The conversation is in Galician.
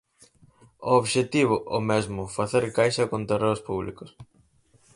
O obxectivo, o mesmo: facer caixa con terreos públicos.